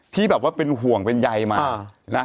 ที่แบบว่าเป็นห่วงเป็นใยมานะ